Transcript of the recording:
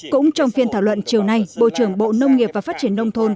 cũng trong phiên thảo luận chiều nay bộ trưởng bộ nông nghiệp và phát triển nông thôn